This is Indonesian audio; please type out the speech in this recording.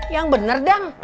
yang bener dam